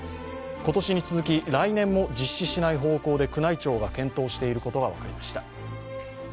今年に続き来年も実施しない方向で宮内庁が検討していることが分かりました。